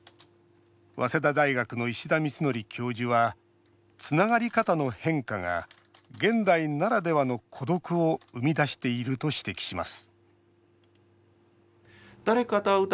早稲田大学の石田光規教授はつながり方の変化が現代ならではの孤独を生み出していると指摘します